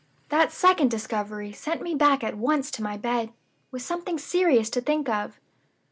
"That second discovery sent me back at once to my bed with something serious to think of.